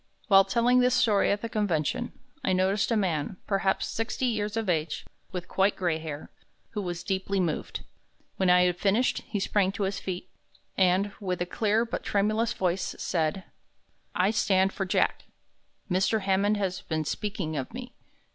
While telling this story at the convention, I noticed a man, perhaps sixty years of age, with quite gray hair, who was deeply moved. When I had finished, he sprang to his feet, and, with a clear but tremulous voice, said: "I stand for Jack. Mr. Hammond has been speaking of me.